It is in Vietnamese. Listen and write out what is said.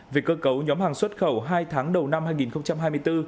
về cơ cấu nhóm hàng xuất khẩu hai tháng đầu năm hai nghìn hai mươi bốn